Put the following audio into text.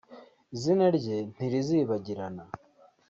izina rye ntirizibagirana